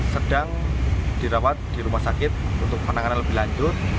sedang dirawat di rumah sakit untuk penanganan lebih lanjut